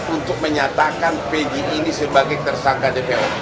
untuk menyatakan peggy ini sebagai tersangka dpo